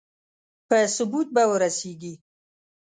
په ثبوت به ورسېږي.